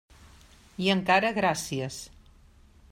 I encara gràcies.